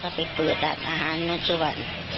เพราะไม่เคยถามลูกสาวนะว่าไปทำธุรกิจแบบไหนอะไรยังไง